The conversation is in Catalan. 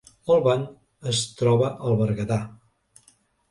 Olvan es troba al Berguedà